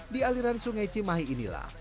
di aliran sungai cimahi inilah